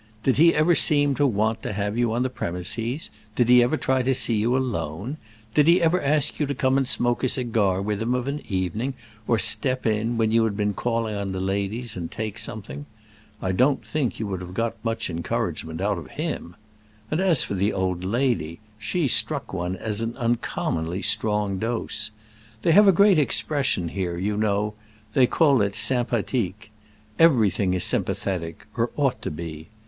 Did he ever seem to want to have you on the premises—did he ever try to see you alone? Did he ever ask you to come and smoke a cigar with him of an evening, or step in, when you had been calling on the ladies, and take something? I don't think you would have got much encouragement out of him. And as for the old lady, she struck one as an uncommonly strong dose. They have a great expression here, you know; they call it 'sympathetic.' Everything is sympathetic—or ought to be.